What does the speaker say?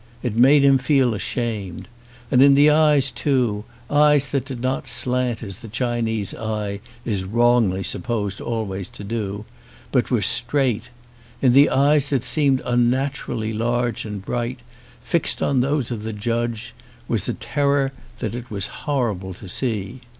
It made him feel ashamed. And in the eyes too, eyes that did not slant as the Chinese eye is wrongly supposed always to do, but were straight, in the eyes that seemed unnaturally large and bright, fixed on those of the judge, was a terror that was horrible to see.